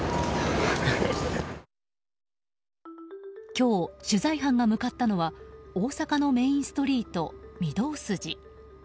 今日、取材班が向かったのは大阪のメインストリート、御堂筋。